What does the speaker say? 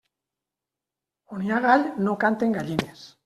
On hi ha gall, no canten gallines.